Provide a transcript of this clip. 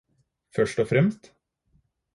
Først og fremst